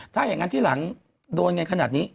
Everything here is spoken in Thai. ถ้าอย่างนั้นที่หลังโดนกันขนาดนี้